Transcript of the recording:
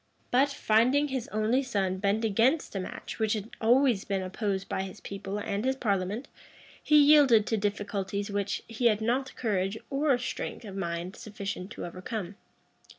But, finding his only son bent against a match which had always been opposed by his people and his parliament, he yielded to difficulties which he had not courage or strength of mind sufficient to overcome.